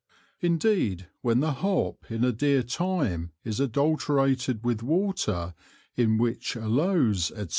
Indeed when the Hop in a dear time is adulterated with water, in which Aloes, etc.